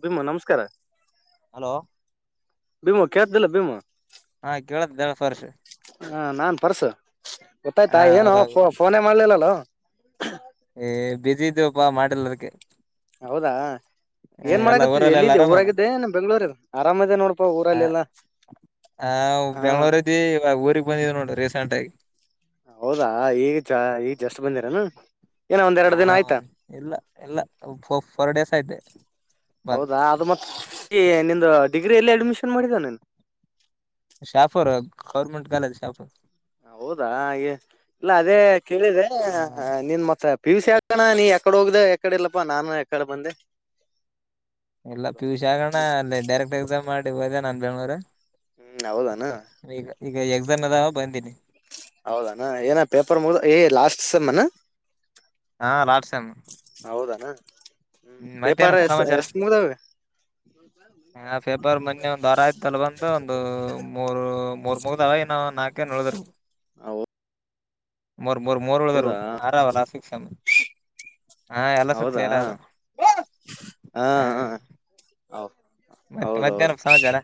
ಭೀಮ ನಮಸ್ಕಾರ ಹಲೋ ಭೀಮಾ ಕತ್ದಲ್ಲ ಭೀಮಾ ಹಾ ಕೇಳತ ದಳಸ್ ವರ್ಷ ಹ ನಾನ್ ಪರ್ಸು ಗೊತ್ತಾಯ್ತಾ ಏನು ಹೌದೌದು ಫೋನೇ ಮಾಡ್ಲಿಲ್ಲಲೋ ಏ ಬಿ ಸಿ ಇದೇವಪ್ಪಾ ಮಾಡಲ್ಲದಕ್ಕೆ ಹೌದಾ ಏನ್ ಮಾಡಕತ್ತ ಊರಲ್ಲ ಎಲ್ಲ ಎಲ್ಲಿದ್ದಿ ಆರಾಮಲ್ಲ ಊರಾಗಿದ್ದೇ ಬೆಂಗ್ಳೂರ್ ಆರಾಮದೆೇ ನೋಡಪಾ ಊರಲ್ಲೆಲ್ಲಾ ಹ ಬೆಂಗ್ಳೂರ್ದಿ ಇವಾಗ ಊರಿಗೆ ಬಂದಿದ್ ನೋಡ್ರಿ ರೀಸೆಂಟ್ ಆಗಿ ಹೌದಾ ಈಗ ಈಗ ಜಸ್ ಬಂದಿರನು ಹ ಒ ಇಲ್ಲ ಎಲ್ಲ ಫೋರ್ ಡೇಸ್ ಆಯ್ತೆ ಹೌದಾ ಅದು ಮತ್ತೆ ನಿಂದು ಡಿಗ್ರಿಿಯಲ್ಲಿ ಅಡ್ಮಿಷನ್ ಮಾಡಿದಿ ನೀನು ಶಾಫೋರ್ ಗೌರ್ಮೆಂಟ್ ಕಾಲೇಜ್ ಶಾಫೋರ್ ಹೌದಾ ಹಾಗೆ ಇಲ್ಲ ಅದೇ ಕೇಳಿದ್ರೆ ಹ ನೀನ್ ಮತ್ತ ಪಿ ಯು ಸಿ ಆ ಅಕ್ಕಾನ ನೀ ಎಕಡೆ ಹೋಗದೆ ಎಕಡೆ ಎಲ್ಲಪ್ಪ ನಾನ ಎಕಡೆ ಬಂದೆ ಇಲ್ಲ ಹೌದೌದು ಪಿಯೂಷ್ ಆಗೋಣ್ಣ ಅಲ್ಲಿ ಡೈರೆಕ್ಟ್ ಎಕ್ಸಾಮ್ ಮಾಡಿ ಹೋದ ನನ್ ಬೆಂಗ್ಳೂರು ಹೂ ಹೌದಾನ ಈಗ ಈಗ ಎಕ್ಸಾಮ್ ಆದವು ಬಂದಿನಿ ಹೌದಣ ಏನ ಪೇಪರ್ ಮು ಏ ಲಾಸ್ಟ್ ಸೆಮ್ಮನ ಹಾ ಲಾಡ್ಸಾಮ ಹೌದ ಏನ ಹೂ ಪೇಪಾರ ಮತ್ತೇನಪ್ಪ ಎಷ್ಟ ಸಮಾಚಾರ ಎಷ್ಟ ಮುಗಿದವು ಹ ಫೆಬ್ರವರಿ ಮೊನ್ನೆ ಒಂದ್ ವಾರ ಆಯ್ತಲ್ ಬಂದು ಒಂದು ಮೂರು ಮೂರ್ ಮುಗ್ದವ ನ ನಾಕೇ ನೋ ಉಲ್ಡಿರಬೇಕು ಮರು ಮೂರು ಮೂರಳಗರೆ ಹೌದಾ ಆರಾವಲ್ಲ ಆರ ಅಲ್ಲ ಸಿಕ್ಕ ಸೇಮ್ ಹಾ ಎಲ್ಲಸು ಹೌದಾ ಕ್ಲಿಯರ್ ಆದ ಹಾ ಹ ಹಾ ಮತ್ತೆ ಹೌದೌದು ಮತ್ತೇನಪ್ಪ ಸಮಾಚಾರ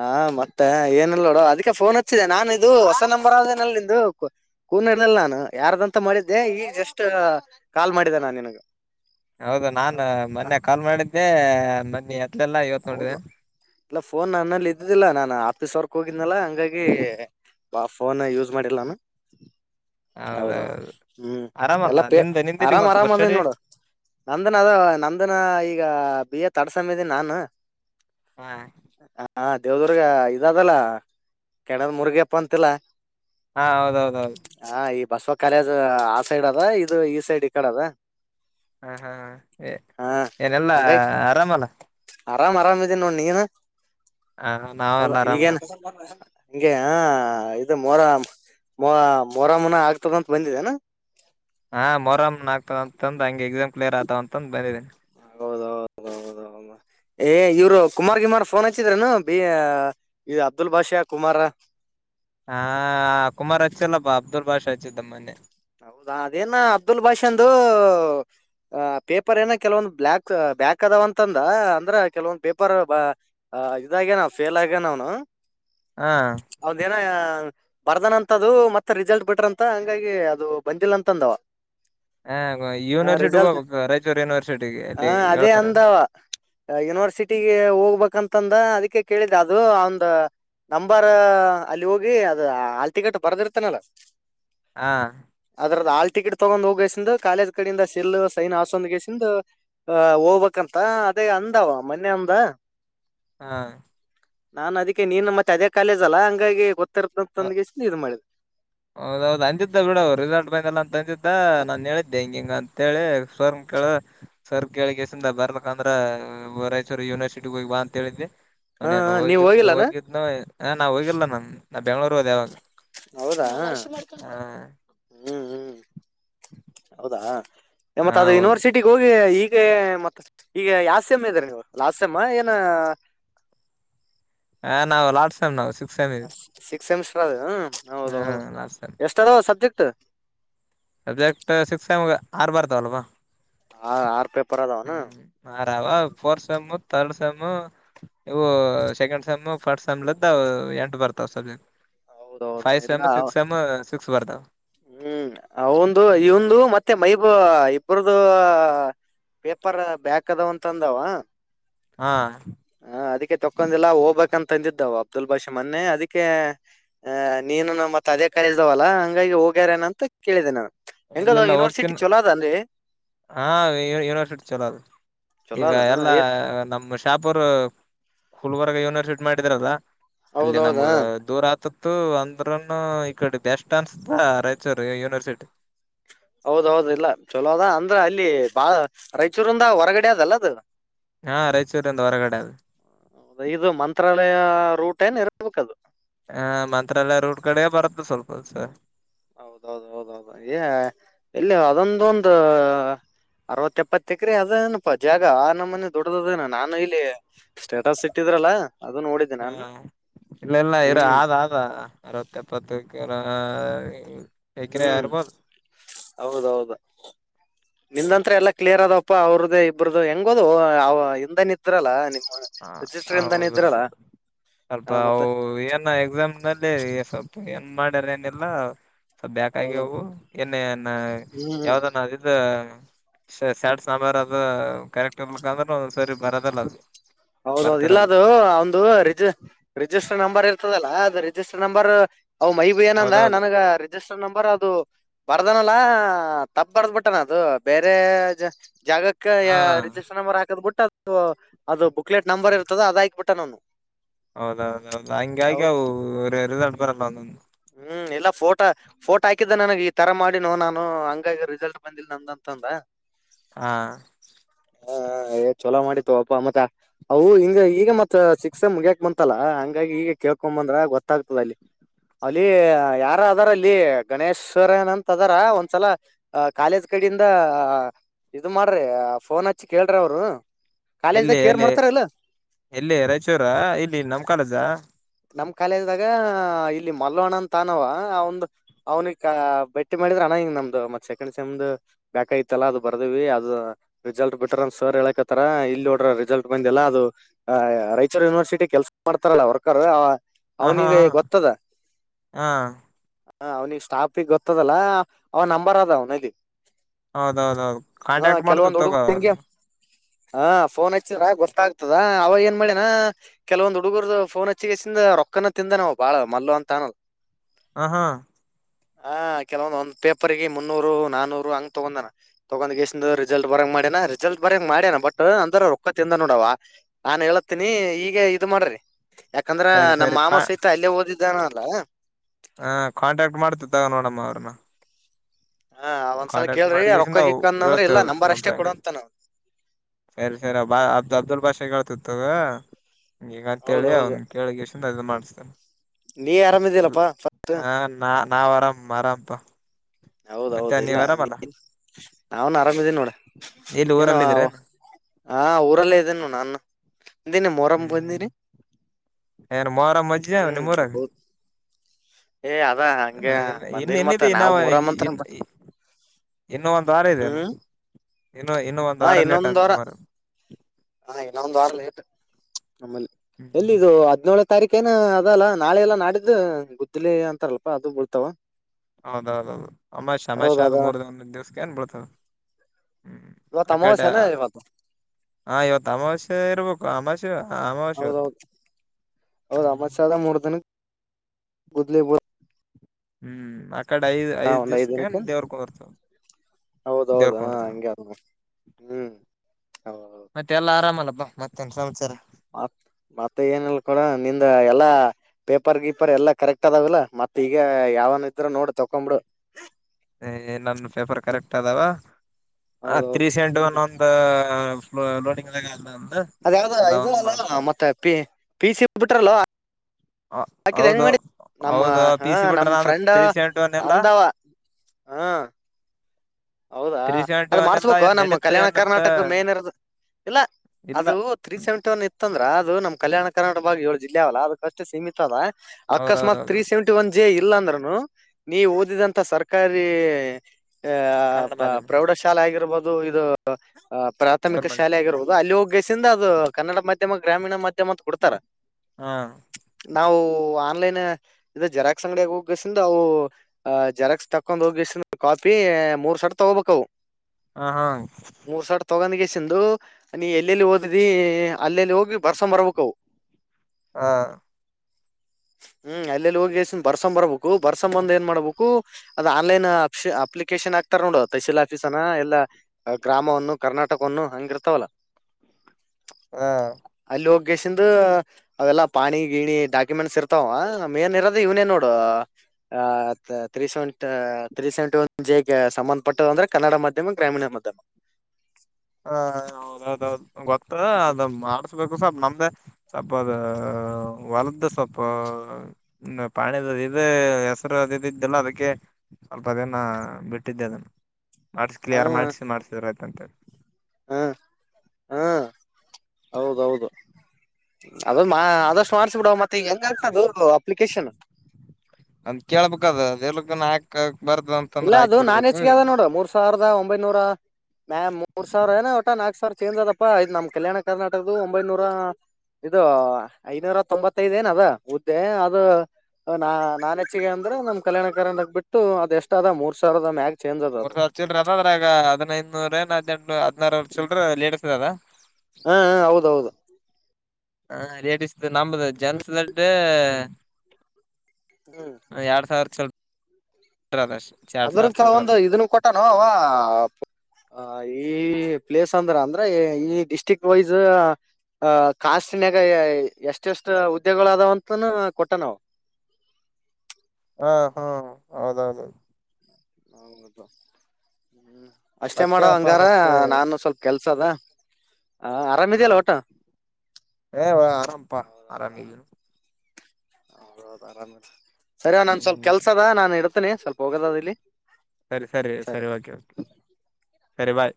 ಹ ಮತ್ತೆ ಮತ್ತ ಏನಲ್ ನೋಡ ಅದಕ್ಕೆ ಫೋನ್ ಹಚ್ಚಿದೆ ನಾನು ಇದು ಹೊಸ ನಂಬರ್ ಅವದೆೇನಲ್ಲಿ ನಿಂದು ಕೂನರ್ಲ್ಲಿ ನಾನು ಯಾರ್ದಂತ ಮಾಡಿದ್ದೆ ಈಗ ಜಸ್ಟ್ ಕಾಲ್ ಮಾಡಿದ್ದ ನಾನ್ ನಿನ್ಗ ಹೌದು ನಾ ಮೊನ್ನೆ ಕಾಲ್ ಮಾಡಿದ್ದೆ ಮನ್ನಿ ಹೌದು ಇಲ್ಲ ಫೋನ್ ನನ್ನಲ್ಲಿ ಇದ್ದುದಿಲ್ಲ ನಾನು ಆಫೀಸ್ ವರ್ ಹ ಹೋಗಿದ್ನಲ್ಲ ಹಂಗಾಗಿ ಫೋನ್ ಯೂಸ್ ಮಾಡಿಲ್ಲ ನಾನು ಹೌದೌದು ಹೂ ಆರಾಮಲ್ಲ ಎಲ್ಲ ಪೇ ನಿಂದ ನಿಂದೆಲ್ಲಿ ಆರಾಮ್ ಬಂತ ಬಸ್ ಆರಾಮ ಅೇನ್ ಸ್ಟಡಿ ನೋಡು ನಂದುನು ಅದ ನಂದನ ಈಗ ಬಿ ಎ ಥರ್ಡ್ ಸೇಮ್ ಇದೀನಿ ನಾನು ಹಾ ಹ ದೇವದುರ್ಗ ಇದ ಅದಲ್ಲ ಕೆಣದ ಮುರ್ಗಪ್ಪ ಅಂತಿಲ್ಲ ಹಾ ಹೌದೌದೌದು ಆ ಈ ಬಸವ ಕಾಲೇಜ್ ಆ ಸೈಡ್ ಅದ ಇದು ಈ ಸೈಡ್ ಈ ಕಡೆ ಅದ ಹಾ ಹಾ ಹಾ ಏನೆಲ್ಲಾ ಹಂಗಾಗಿ ಆರಾಮಲ್ಲ ಆರಾಮ್ ಆರಾಮಿದೀನಿ ನೋಡು ನೀನು ಹ ಹೌದಾ ನಾವೆಲ್ಲ ಈಗ ಆರಾಮಪ ಹಂಗೆ ಆ ಇದು ಮೊರ ಮೊ ಮೊರ ಮನ ಆಗ್ತಗಂತ ಬಂದಿದೆನಾ ಹಾ ಮೊರಮ್ಮನನ್ ಆಗ್ತವ ಅಂತಂದ ಹಂಗೆ ಎಕ್ಸಾಮ್ ಕ್ಲಿಯರ್ ಆಗ್ತವ ಅಂತಂದಂದು ಬಂದ್ದೀನಿ ಹೌದ ಹೌೌ ಹೌದ ಹೌ ಏ ಇವ್ರು ಕುಮಾರ್ ಗಿಮಾರ್ ಫೋನ್ ಹಚ್ಚಿದ್ರನು ಬಿ ಇ ಅಬ್ದುಲ್ ಭಾಷ ಕುಮಾರ ಹಾ ಕುಮಾರ್ ಹಚ್ಚಲ್ಲಪ್ಪಾ ಅಬ್ದುಲ್ ಬಾಷ್ ಹಚ್ಚಿದ್ದಮ್ಮ ಮೊನ್ನೆ ಹೌದಾ ಅದೇನ ಅಬ್ದುಲ್ ಭಾಷಂದು ಆ ಪೇಪರ್ ಏನ ಕೆಲವೊಂದ್ ಬ್ಲಾಕ್ ಬ್ಯಾಕ್ ಅದಾವ ಅಂತಂದ ಅಂದ್ರ ಕೆಲವೊಂದ್ ಪೇಪರ್ ಬ ಹ ಇದಾಗ್ಯ ನಾವ್ ಫೇಲ್ ಆಗ್ಯಾವನು ಹಾ ಅವದೇಏನ ಬರ್ದನಂತದು ಮತ್ತೆ ರಿಸಲ್ಟ್ ಬಿಟ್ರಂತ ಹಂಗಾಗಿ ಅದು ಬಂದಿಲ್ಲ ಅಂತಂದವ ಹ ಯೂನಿವರ್ಸಿಟಿ ರಿಸಲ್ಟ್ ಹೋಗ್ಬೇಕ ರಾಯಚೂರು ಯೂನಿವರ್ಸಿಟಿಗೆ ಅಲ್ಲಿ ಹೇಳ್ತಾರೆದು ಯುನಿವರ್ಸಿಟಿಿಗೆ ಹೋಗ್ಬೇಕಂತಂದ ಅದಕ್ಕೆ ಕೇಳಿದ ಅದು ಅವಂದ ನಂಬರ್ ಅಲ್ಲಿ ಹೋಗಿ ಅದ ಆಲ್ತಿಗಟ್ಟು ಬರ್ದಿರ್ತನಲ್ಲ ಹಾ ಅದ್ರದ ಆಾಲ್ ಟಿಕೆಟ್ ತಗೊಂಡ್ ಹೋಗಿಸ ಕಾಲೇಜ್ ಕಡೆಯಿಂದ ಸಲ್ ಸೈನ್ ಹಸ್ಸಂದ್ ಗೈಸಿಂದ್ ಹೋಗ್ಬೇಕಂತ ತ್ತಾ ಅದೇ ಅಂದಾವ ಮೊನ್ನೆ ಅಂದ ಹಾ ನಾನ್ ಅದಕ್ಕೆ ನೀನ್ ಮತ್ತೆ ಅದೇ ಕಾಲೇಜ್ ಅಲ್ಲ ಹಂಗಾಗಿ ಗೊತ್ತಿರದಂತ ತಂದಗೆಸ ಇದ್ ಮಾಡಿದ. ಹೌದೌದ ಅಂದಿದ್ದ ಬಿಡ ರಿಸಲ್ಟ್ ಬಂದಲ್ಲ ಅಂತ ಅಂತಿದ್ದ ನಾನ್ ಹೇಳಿದ್ದೆ ಹೆಂಗಿಂಗ ಅಂತ [unintelligible] ಅಂತೇಳಿ ಸರನ್ ಕೇಳ ಸರ್ ಕೇಳ ಕೆಸಂದ ಬರ್ಬೇಕ ಅಂದ್ರ ರಾಯಚೂರು ಯೂನಿವರ್ಸಿಟಿಗ ಹೋಗಿ ಬಾ ಅಂತ ಹೇಳಿದ್ದೆ. ಹಾ ನಾನೇನು ನೀವ್ ಹೋಗಿದ್ ಹೋಗಿಲ್ಲನ ಹೋಗಿದ್ನೋ ನಾ ಹೋಗಿಲ್ಲ ನಾನು ನಾ ಬೆಂಗ್ಳೂರು ಹೋದೆ ಅವಾಗ. ಹಿಂಗ ಹ್ಮ್ ಹ್ಮ್ ಹೌದಾ ಮತ್ತ ಹ ಅದು ಹೌದು ಯೂನಿವರ್ಸಿಟಿ ಹೋಗಿ ಈಗ. ಮತ್ತ ಈಗ ಯಾಸೇಮ್ಮ ಇದ್ರ ನೀವು ಲಾಸೇಮ್ಮ ಏನ. ಹ ನಾವು ಲಾಡ್ಸಮ ನಾವು ಸಿ ಅ ಸಿಕ್ಸ್ ಸೆಮಿಸ್ಟರ್ ಅದವೇನು ಹೌದು ಹ್ಮ ಹೌದು ಲಾಸ್ಟ್ ಸೆಮ್ ಎಷ್ಟ ಅದವ ಸಬ್ಜೆಕ್ಟ್. ಸಬ್ಜೆಕ್ಟ್ ಸಿಕ್ಸ್ ಸೆಮಗ್ ಆರ್ ಬರ್ತಾವಲ್ವಾ. ಆರ್ ಪೇಪರ್ ಅದಾವನ ಹ ಆರವ ಪೊರ್ಸ ಸೇಮೂ ತರ್ಡ್ ಸೆಮ್ಮು ಇವು ಸೆಕೆಂಡ್ ಸೆಮ್ಮು ಫರ್ಡ್ ಸೆಮ್ಮ್ಲಿಂದ ಎಂಟ ಬರ್ತಾವ ಸಬ್ಜೆಕ್ಟ್. ಹೌದೌದು ಫೈವ್ ಸೇಮ್ ಇಲ್ಲ ಸಿಕ್ಸ್ ಸೇಮ್ ಸಿಕ್ಸ್ ಬರ್ತವ. ಹ್ಮ್ ಅವಂದು ಇವುಂದು ಮತ್ತ. ಮತ್ತೆ ಮೈಬೂ ಇಬ್ರದು ಪೇಪರ್ ಬ್ಯಾಕ್ ಅದಾವ ಅಂತ ಅಂದಾವ. ಹಾ ಹ ಅದಕ್ಕೆ ತಕೊಂದಿಲ್ಲ ಹೋಬೇಕಂತ ಅಂದಿದ್ದವ ಅಬ್ದುಲ್ ಬಾಷ ಮೊನ್ನೆ ಅದಕ್ಕೆ ಅ ನೀನುನು ಮತ್ ಅದೇ ಕಾಲೇಜದವಲ್ಲ ಹಂಗಾಗಿ ಹೋಗ್ಯಾರನ ಅಂತ ಕೇಳಿದೆೆ ನಾನು. ಹೆಂಗದೋ ಇಲ್ಲೆಲ್ಲ ಯೂನಿವರ್ಸಿಟಿ ಹೋಗ್ತೀನ್ ಚಲೋದ ಅಲ್ಲಿ. ಹಾ ಯೂ ಯುನಿವರ್ಸಿಟಿ ಚಲೋ ಅದ ಚಲೋ ಈಗ ಅದನ ಎಲ್ಲಾ ನಮ್ಮ ಶಾಪುರ್ ಗುಲ್ಬರ್ಗ ಯೂನಿವರ್ಸಿಟಿ ಮಾಡಿದರಲ್ಲ ಅಲ್ಲಿ ಹೌದೌದ ನಮ್ಗ ದೂರ ಆತ ತು ಅಂದ್ರನು ಇಕಡ ಬೆಸ್ಟ್ ಅನ್ಸತ ರಾಯಚೂರು ಯೂನಿವರ್ಸಿಟಿ. ಹೌದೌದು ಇಲ್ಲ ಚಲೋ ಅದ ಅಂದ್ರ ಅಲ್ಲಿ ಬಾಳ ರಾಯಚೂರಿಂದ ಹೊರಗಡೆ ಅದಲ್ಲ ಅದು. ಹಾ ರಾಯಚೂರಿಂದ ಹೊರಗಡೆ ಅದು ಇದು ಮಂತ್ರಾಲಯ ರೂಟ್. ಟೇನ್ ಇರ್ಬೇಕ ಅದು. ಹ ಮಂತ್ರಾಲಯ ರೂಟ್ ಕಡೆ ಬರ್ತದ ಸ್ವಲ್ಪಸ ಹೌದೌದೌದೌದು ಏ ಇಲ್ಲಿ ಅದೊಂದೊಂದು ಅರವತ್ ಎಪ್ಪತ್ತ ಎಕ್ರೆ ಅದೇನಪ್ಪಾ ಜಾಗ ಆ ನಮನ ದೋಡ್ದದೇನ ನಾನು ಇಲ್ಲಿ ಸ್ಟೇಟಸ್ ಇಟ್ಟಿದ. ಇದ್ರಲ್ಲ ಹಾ ಇಲ್ಲ ಇಲ್ಲ ಇರ ಹ್ಮ್ ಆದ ಆದ ಅರವತ್ತ ಎಪ್ಪತ್ತಕ್ಕರ ಹ್ಮ್ ಹೌದೌದ ನಿಂದಂತ್ರ ಎಲ್ಲಾ ಕ್ಲಿಯರ್ ಅದವಪ್ಪ ಅವ್ರದ್ದೇ ಇಬ್ರದು ಹೆಂಗೋದು ಅವ ಹಿಂದನಿದ್ರಲ್ಲ ನಿ ಹಾ ಹೌದು ಸರಿ ಸ್ವಲ್ಪ ಹ ಅವು ಮತ್ತೆ ಏನ ಎಕ್ಸಾಮ್ ನಲ್ಲಿ ಸ್ವಲ್ಪ ಏನ್ ಮಾಡ್ಯಾರ ಏನಿಲ್ಲ. ಸೊ ಹೌದು ಬ್ಯಾಕಾಗ್ಯಾವು ಏನ್ ಏನ್ನ್ ಹ್ಮ್ ಯಾವ್ದನದಿದು. ಸ್ಯಾಡ್ ಸಾಂಬಾರ್ದು ಕ್ಯಾರೆಕ್ಟರ್ ಅಂದ್ರೂ ಒ್ ಸರಿ ಬರದಲ್ಲ ಅದು [unintelligible] ಹೌದೌದು ಇಲ್ಲ ಬರ್ತಿರಲ್ಲ ಅದು ಅವುಂದು ರಿಜಿ ರಿಜಿಸ್ಟರ್ ನಂಬರ್ ಇರ್ ಅಲ್ಲ ಅದ ರಿಜಿಸ್ಟರ್ ನಂಬರ್ ಅವ್ ಮೈಬ ಏನಂದ ಹೌದೌದು ನನಗ ರಿಜಿಸ್ಟರ್. ರ್ ನಂಬರ್ ಅದು ಬರ್ದನಲ್ಲಾ ತಪ್ಪ ಬರ್ದ್ ಬಿಟ್ಟಾನ ಅದು ಬೇರೆ ಜ್ಯ ಜಾಗಕ್ಕ ಹಾ ರಿಜಿಸ್ಟರ್ ನಂಬರ್ ಹಾಕದ್ ಬುಟ್ಟ ಅದು ಅದು ಬು ಬುಕ್ಲೆಟ್ ನಂಬರ್ ಇರ್ತದ ಅದ ಹಾಕ್ಬಿಟ್ಟನ ಅವ್ನು. ಹೌದೌದೌದು ಹಂಗಾಗಿ ಅವು ರಿಸಲ್ಟ್ ಬರಲ್ಲ ಒಂದೊಂದು. ಹ್ಮ್ ಎಲ್ಲಾ ಫೋಟಾ ಫೋಟೋ ಹಾಕಿದ ನನಗೆ ಈ ತರ ಮಾಡಿನೋ ನಾನು ಹಂಗಾಗಿ ರಿಸಲ್ಟ್ ಬಂದಿಲ್ಲ ನಂದಂತಂದ. ಹಾ ಹ ಹ್ ಹೆ ಚಲೋ ಮಾಡಿತೋಪ್ಪ ಮತ. ಅವು ಹಿಂಗ ಈಗ ಮತ್ ಸಿಕ್ಸ್ ಸೇಮ್ ಮುಗ್ಯಾಕ್ ಬಂತಲ್ಲಾ ಹಂಗಾಗಿ ಈಗ ಕೇಳ್ಕೊ ಬಂದ್ರ ಗೊತ್ತಾಗ್ತದ ಅಲ್ಲಿ. ಅಲ್ಲಿ ಯಾರ ಅದಾರ ಅಲ್ಲಿ ಗಣೇಶ ಸರನ್ ಅಂತ ಅದಾರ ಒಂದ್ಸಲ ಅ ಕಾಲೇಜ್ ಕಡಿಂದ ಇದು ಮಾಡ್ರಿ ಫೋನ್ ಹಚ್ಚಿ ಕೇಳ್ರ ಅವರು ಕಾಲೇಜಾಗ ಎಲ್ಲಿ ಕೇರ್ ಮಾಡ ಎಲ್ಲಿ ಎಲ್ಲಿ ರಾಯಚೂರ ಇಲ್ಲಿ ನಮ ಕಾಲೇಜಾ ನಮ್ ಕಾಲದಾಗ ಇಲ್ಲಿ ಮಲ್ಲವಣ್ಣ ಅಂತ ಅಾನವ ಅವಂದು ಅವ್ನಿಿಗೆ ಭಟ್ಟಿ ಮಾಡಿದ್ರ ಚೆ ನಮ್ದ್ ಮತ್ ಸೆಕೆ್ೆಮ್ ಬೇಕಕ್ ಐತಲ್ಲಾ ಅದು ಬರ್ದ್ವಿ ಅದು ರಿಸಲ್ಟ್ ಬಿಟ್ರ ಸರ್ ಹೇಳಕ ತರ ಇಲ್ಲಿೋಡ್ರ ರಿಸಲ್ಟ್ ಬಂದಿಲ್ಲಲ್ಲ ಅದು ರಾಯಚೂರ್ ಯೂನಿವರ್ಸಿಟಿ ಕೆಲ್ಸ ಮಾಡ್ತಾರಲ್ಲ ಅವ್ರ ಹ ಹಾ ಹಾ ಅವನಿಗೆ ಗೊತ್ತದ ಹಾ ಹ ಅವ್ನಿಗೆ ಸ್ಟಾಪಿಗೆ ಗೊತ್ತದಲ್ಲ ಅವನ ನಂಬರ್ ಅದ ಅವ್ನದಿ ಹೌದೌದೌದು ಕಾಂಟ್ಯಾಕ್ಟ್ ಮಾಡ್ತ ಕೆಲವೊಂದ್ ತಗ ಹುಡುಗರು ಹಿಂಗೆ ಹಾ ಫೋನ್ ಹಚ್ಚಿದ್ರ ಗೊತ್ತಾಗ್ತದ ಅವಾಗ ಏನ್ ಮಾಡೇನಾ ಕೆಲವೊ್ ಹುಡುಗರ್ದು ಫೋನ್ ಹಚ್ಚ ಹಚ್ಚಿಿಗೆಸಿಂದ ರೊಕ್ಕನ ತಿಂದ ನಾವವು ಬಾಳ ಮಲ್ಲು ಅಂತ ಅನಲ್ ಹ ಹಾ ಹ ಕೆಲವೊಂದ್ ಒಂದ್ ಪೇಪರ್ಗ ಮುನ್ನೂರು ನಾನೂರು ಹಂಗ ತಗೊಂಡಾನ ತಗೊಂಡಸ ರಿಸಲ್ಟ್ ಬರ ಮಾಡೇನಾ ರಿಸಲ್ಟ್ ಬರಂಗ ಮಾಡ್ಯನ ಬಟ್ ಅಂದ್ರ ರೊಕ್ಕ ತಿಂದ ನೋಡವ ನಾನನ್ ಹೇಳತ್ತೀಿನಿ ಈಗ ಇದು ಮಾಡ್ರಿ ಯಾಕಂದ್ರ ಸರಿ ನಮ್ಮ ಸರಿ ಮಾಮ ಸಹಿತ ಅಲ್ಲೇ ಓದಿದ್ದಾನ ಅಲ್ಲ ಹಾ ಕಾಂಟ್ಯಾಕ್ಟ್ ಮಾಡ್ತಿ ತಗೋ ನೋಡಮ್ಮ ಅವ್ರನ್ನ ಹಾ ಒಂದ್ಸಲ ಕಾಂಟ್ಯಾಕ್ಟ್ ಕೇಳ್ರಿ ಮಾಡಿಗೇಶಿ ನಾವು ರೊಕ್ಕಕ್ಕಿಕ್ಕಂದಂದ್ರೆ ಇಲ್ಲ ಹೇಳ್ತೇವ ನಂಬರ್ ನಮ್ ಅಷ್ಟೇ ಫ್ರೆಂಡ್ ಕೊಡ ಅಂತ ನಾವ್ ಸರಿ ಸರಿ ಅಬ್ಬಾ ಅಬ್ದು ಅಬ್ದುಲ್ ಬಾಷೆ ಹೇಳ್ತಿತ್ತುಗ ಈಗ ಅಂತೇಳಿ ಹೌದೌದು ಅವ್ನ್ ಕೇಳಿಗೆ ಎಷ್ಟ ಅ ಮಾಡ್ಸ್ತೆ ನೀ ಆರಾಮಿದಿಲ್ಲಪ್ಪಾ ಹಾ ನಾ ನಾ ವರ ಮರಪ ಹೌದೌದು ಇಲ್ಲ ನೀ ನ ಆರಾಮೀ ನೋಡ ಎಲ್ಲಿ ಏನು ಊರಲ್ಲಿ ಇದಿರೇನ್ ಹ ಊರಲ್ಲೇ ಇದೇನ ನ ನಾನು ಬಂದಿನಿ ಮೊಹರಂ ಹ್ಮ್ ಹ್ಮ್ ಬಂದಿನಿ ಯಾರ ಮರ ಮಜ ಹ್ಮ್ ಮರಾಗ ಹೌದ್ ಏ ಅದ ಹ ಹಂಗೆ ಎಲ್ಲ ಬಂದಿನಿ ಮತ್ತ ಇನ್ನ್ದೆ ನಾವ್ ಮೊಹರಂ ಅಂತಾರ ನಾಾವನ್ ಬ ಇನ್ನುೂ ಒಂದು ವಾರ ಇದೆ ಅಲ್ಲ ಹ್ಮ್ ಇನ್ನು ಇನ್ನು ಒಂದ್ ಹಾ ವಾರ ಲೇಟ್ ಇನ್ನೊಂದ್ ಅಂದ ವಾರ ಮೊಹರಂ ಹ ಇನ್ನೊಂದ್ ವಾರ ನಮ್ಮಲ್ಲಿ ಎಲ್ಲಿ ಹ್ಮ್ ಇದು ಹದಿನೇಳೇಳ ತಾರೀಕೇನು ಅದಲ್ಲಾ ನಾಳೆಲ್ಲಾ ನಾದ ಗುದ್ದಲಿ ಅಂತಾರಲ್ಪ ಅದು ಬಳ್ತಾವ ಹೌದೌದೌದು ಅಮ್ಮಾಮಾಷ ಹೌದ ಆದ ಅದ ಮೂರ್ ಒಂದ ದಿವ್ಸಗೆ ಏನ್ ಬಿಡ್ತದ ಹ್ಮ್ ಇವತ್ ಆ ಕಡೆ ಅಮಾವಾಸ್ಯನ ಇವತ್ತು ಹ ಇವತ್ ಅಮಾವಷ್ಯೆ ಇರ್ಬೇಕು ಅಮಾಶ ಹ ಆಮಶ್ಯತ್ತು ಹೌದೌದು ಹ್ಮ್ ಗದಲೇಬ ಹ್ಮ್ ಅಕ್ಕಡೆ ಐದು ಐದು ಒಂದ್ ಐದ್ ದಿವಸಕ ದಿನಕ್ಕೆ ದೇವರು ಕರ್ತ ಹೌದೌದ ಹಾ ಹಂಗಗೆ ಅ ಹ್ಮ್ ಹೌದೌದು ಮತ್ತೆ ಎಲ್ಲಾ ಆರಾಮಲ್ಲಪ್ಪ ಮತ್ತೊಂದು ಸಂಸಾರ ಮತ್ ಮತ್ತೆ ಏನಲ್ಕಡ ನಿಂದ ಎಲ್ಲಾ ಪೇಪರ್ ಗೀಪರ್ ಎಲ್ಲಾ ಕರೆಕ್ಟ್ ಅದಾವಿಲ್ಲ ಮತ್ತ ಮತ್ತ ಈಗ ಯಾವನ್ ಇದ್ರರು ನೋಡ್ ತಕೊಂಬಿಡು ನನ್ನ ಪೇಪರ್ ಕರೆಕ್ಟ್ ಅದಾವ ಹೌದೌದು ಆೀಸೆಂಟ್ ಒನ್ೊಂದು ನೋಡಿಂಗಲ್ಲಾಗ ಅದ ಯಾವ್ದ ಇದು ಅಲ್ಲ ಮತ್ತೆ ಪ ಪ ಸಿ ಬಿಟ್ರಲ್ವಾ ಹಾಕಿದ್ ಹೆಂಗ್ ಹೌದು ಮಾಡಿ ನಮ್ಮ ಹೌದು ಹ ಪಿ ಸಿ ಬಿಟ್ರ ನಮ್ ನಾನು ಫ್ರೆಂಡ ತ್ರೀ ಸೆವೆಂಟಿ ಒನ್ ಎಲ್ಲ ಅಂದಾವ ಹಾ ಹೌದಾ ತ್ರೀ ಸೆವೆಂಟಿ ಅದು ಒನ್ ಎಲ್ಲ ಮಾಡ್ಸ್ಬೇಕು ಏನ್ ನಮ್ಮ ನಡೀತ ಕಲ್ಯಾಣ ಏನತ್ತ ಕರ್ನಾಟಕ ಮೇನ್ ಇರದು ಇಲ್ಲ ಇಲ್ಲ ಅದು ತ್ರೀ ಸೆವೆಂಟಿ ಒನ್ ಇತ್ತಂದ್ರ ನಮ್ಮ ಕಲ್ಯಾಣ ಕರ್ನಾಟಕ ಏಳು ಜಿಲ್ಲೆ ಅಲ್ಲ ಅದುಸ್ಟ್ ಸೀಮಿತ ಅದ ಅಕಸ್ಮಾತ್ ಹೌದೌದೌದು ತ್ರೀ ಸೆವೆಂಟಿ ಒನ್ ಜೆ ಇಲ್ಲಾ ಅಂದ್ರನು ನೀವು ಓದಿದಂತ ಸರ್ಕಾರಿ ಕನ್ನಡ ಮಾಧ್ಯಮ ಪ್ರೌಢಶಾಲೆ ಆಗಿರ್ಬಹುದು ಇದು ಪ್ರಾಥಮಿಕ ಗೌರ್ಮೆಂಟ್ ಶಾಲೆ ಆಗಿರ್ಬಹುದು ಅಲ್ಲಿ ಹೋಗಿ ಸಿಂದ ಅದು ಕನ್ನಡ ಮಾಧ್ಯಮ ಗ್ರಾಮೀಣ ಮಾಧ್ಯಮ ಅಂತ ಕೊಡ್ತಾರ ಹಾ ನಾವು ಆನ್ಲನ್ ಇ ಜೆರಾಕ್ಸ್ ಅಂಗಡ ಹೋಗ ಅವು ಜೆರಕ್ಸ್ ತಕೊಂಡ್ ಹೋಗ ಕಾಪಿ ಬಿ ಮೂರ್ ಶರ್ಟ್ ತಗೋಬೇಕವು ಹ ಹಾ ಚಂದು ನೀ ಎಲ್ಲೆಲ್ಲಿ ಓದಿದಿ ಅಲ್ಲಿ ಲ್ಲಿ ಲ್ಲೋಗಿ ಭರ್ಷಬರ್ಬೆಕ್ ಕವು ಹ ಹ್ಮ್ ಅಲ್ಲೆಲ್ಲಿ ಹೋಗಿ ಬರ್ಸ್ ಬರ್ಬೇಕು ಬರ್ಸೊ ಬಂದ ಏನ್ ಮಾಡ್ಬೇಕು ಅದ ಆನ್ಲೈನ್ ಅ ಅಪ್ಲಿಕೇಶನ್ ಆಗ್ತಾರ ನೊಡ್ ತಹಶೀಲ್ ಆಫೀಸನಾ ಎಲ್ಲಾ ಗ್ರಾಮವನ್ನು ಕರ್ನಾಟಕವನ್ನು ಹಂಗಿರ್ತವಲ್ಲ ಹಾ ಲಕೇಶಂದು ಅವೆಲ್ಲಾ ಪಾಣಿ ಗಿಣಿ ಡಾಕ್ಯುಮೆಂಟ್ಸ್ ಇರ್ತಾವ ನಮ ಏನ್ ಇರೋದ ಇವ್ನೇ ನೋಡು ಆ ತ್ರಿಸೆಂಟ್ ಸೆವೆಂಟ ಒ ಜಂ ಪಟ್ಟದ ಅಂದ್ರೆ ಕನ್ನಡ ಮಾಧ್ಯಮ ಗ್ರಾಮೀಣ ಮಾಧ್ಯಮ ಹ ಹೌದೌದೌದು ಗೊತ್ತ ಅದ ಮಾಡಸ್ಬೇಕು ಸ್ವಲ್ ನಮ್ದೇ ಸ್ವಪದ ಹೊಲದ್ದ ಸ್ಪ ಪಾಣಿದ ಇದೆ ಹೆಸರು ಇದ್ದಲ್ಲ ಅದಕ್ಕೆ ಸ್ವಲ್ಪ ಅದನ ಬಿಟ್ಟಿದ್ದೆ ಅದನ್ನು ಮಾಡ್ಸಿ ಕ್ಲಿಯರ್ ಮಾಡ್ಸಿ ಮಾಡ್ಸಿದ್ರ ಆಯ್ತಂತೆ ಹ್ಮ ಹೌದೌದು ಅದ ಅದಷ್ಟು ಮಾಡಾರ್ಸ ಬಿಡ ಮತ್ತ ಮ ಹೆಂಗ ಆಗ್ತದು ಅಪ್ಲಿಕೇಶನ್ ಅಂದ ಕೇಳ್ಬೇಕದ ಅದೆ ಎಲ್ಕ ಇಲ್ಲ ಅದು ನಾನ್ ಹೆಜ್ಗೆ ಆದದ ನೋಡ್ರ ಮೂರ್ ಸಾವಿರದ ಒಂಬೈನೂರ ಮ್ಯಾಮ್ ಮೂರ್ ಸಾವರ ಏ ಒಟಾ ನಾಕ್ ಸಾವಿರ ಚೇಂದ್ ಅದಪ್ಪಾ ಇದ್ ನಮ್ ಕಲ್ಯಾಣ ಕರ್ನಾಟಕದ ಒಂಬೈನೂರ ಇದು ಐನೂರ ತೊಂಬತ್ತೈದ್ ಏನ ಅದ ಉದ್ದೆ ಅದು ನಾಚ್ಚಿಗೆ ಅಂದ್ರೆ ನಮ್ ಕಲ್ಯಾಣಕಕಾರಾಗಗ್ಬ ಬಿಟ್ಟು ಅದ ಎಷ್ಟ ಅದ ಮೂರ್ ಸಾವಿರದ ಮ್ಯಗ ಮೂರ್ ಚಿಲ್ರ ಅದ್ರ ಆಗ ಹದಿನೈದುನೂರಏ ಹದ್ಟು ಹದಿನಾರ ಚಿಲ್ರ ಲೇಡಿಸಸ್ ಅದ ಹಾ ಹಾ ಹೌದೌದು ಹಾ ರೇಡಿಸ್ದ್ ನಂಬ್ದ್ ಜನ್ಸ ದಡ್ಡ ಹ್ಮ್ ಹ ಎರಡ್ ಸಾವಿರ ಚಿಲ್ ಅದ್ರ ಚಿಲ್ರ ಕೆಲವೊಂದು ಅದ ಇದನ್ನು ಕೊಟಾನ ಅವ ಹ ಈ ಪ್ಲೇಸ್ ಅಂದ್ರ ಅಂದ್ರೆ ಈ ಡಿಸ್ಟ್ರಿಕ್ ವೈಸ್ ಆ ಕಾಸ್ನ್ಯಾಗ ಎಷ್ಟೆಷ್ ಉದ್ಯೋಗಗಳ ಅದಾವಂತನ ಕೊಟ್ಟ ನಾವ [inaudible] ಹಾ ಹಾ ಹೌದೌದು ಹ ಅಷ್ಟೇ ಮಾಡೋ ಮತ್ತೇನಪ್ಪಾ ಹಂಗಾರ ಮತ್ತೆ ನಾನು ಸ್ವಲ್ಪ ಕೆಲ್ ಸದ ಹ್ಮ ಆರಾಮ ಪಾ ಆರಾಮ ಇನು ಹೌದು ಆರಾಮ ಸರಿಯ ನಾನ್ ಸ್ವಲ್ಪ ಹ್ಮ್ ಕೆಲ್ಸ ಅದ ನಾನನ್ ಇಡ್ತೇನನೆ ಸ್ವಲ್ಪ ಹೋಗೋದ ಅ ಇಲ್ಲಿ ಸರಿ ಸರಿ ಸರಿ ಓಕೆ ಸರಿ ಬಾಯ್